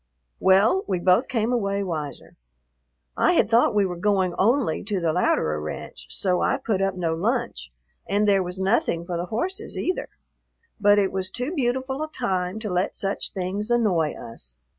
Well, we both came away wiser. I had thought we were going only to the Louderer ranch, so I put up no lunch, and there was nothing for the horses either. But it was too beautiful a time to let such things annoy us.